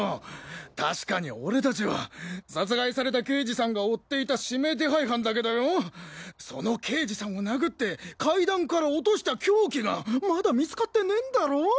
確かに俺達は殺害された刑事さんが追っていた指名手配犯だけどよォその刑事さんを殴って階段から落とした凶器がまだ見つかってねえんだろ？